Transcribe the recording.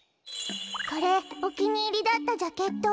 これおきにいりだったジャケット。